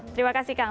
terima kasih kang